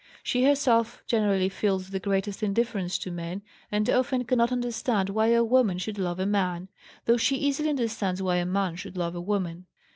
She herself generally feels the greatest indifference to men, and often, cannot understand why a woman should love a man, though she easily understands why a man should love a woman.